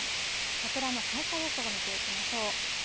桜の開花予想を見ていきましょう。